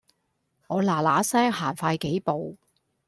我嗱嗱聲行快幾步